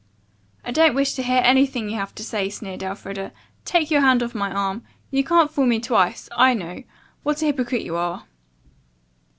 "I don't wish to hear anything you have to say," sneered Elfreda. "Take your hand off my arm. You can't fool me twice. I know What a hypocrite you are."